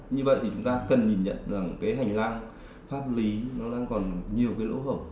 như vậy thì chúng ta cần nhìn nhận rằng cái hành lang pháp lý nó đang còn nhiều cái lỗ hổng